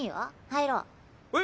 入ろう。